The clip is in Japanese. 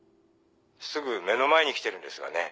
すぐ目の前に来てるんですがね。